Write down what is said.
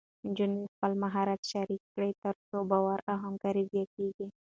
نجونې خپل مهارت شریک کړي، تر څو باور او همکاري زیاتېږي.